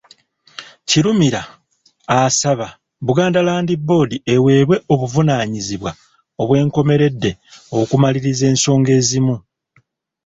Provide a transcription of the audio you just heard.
Kirumira asaba Buganda Land Board eweebwe obuvunaanyizibwa obw'enkomeredde okumaliriza ensonga ezimu.